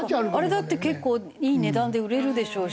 あれだって結構いい値段で売れるでしょうし。